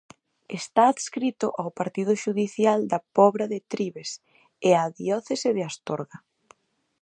Está adscrito ao partido xudicial da Pobra de Trives, e á diocese de Astorga.